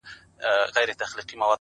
غزل ژړيږې عبادت کړي راته داسې وايي;